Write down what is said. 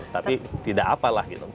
tapi tidak apalah gitu